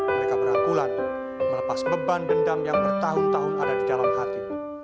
mereka berangkulan melepas beban dendam yang bertahun tahun ada di dalam hati